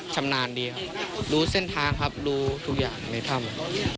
ชำนาญดีครับรู้เส้นทางครับรู้ทุกอย่างในถ้ำ